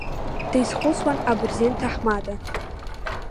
Дизхәыцуан абырзен ҭаҳмада.